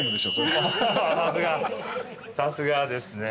さすがですね。